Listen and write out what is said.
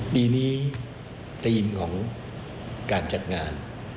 ปีนี้ธีมของการจัดงาน